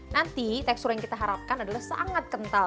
nanti tekstur yang kita harapkan adalah sangat kental